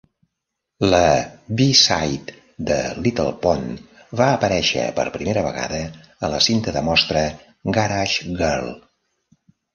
El B-side, "The Little Pond", va aparèixer per primera vegada a la cinta de mostra "Garage Girl".